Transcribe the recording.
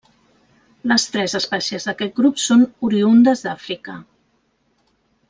Les tres espècies d'aquest grup són oriündes d'Àfrica.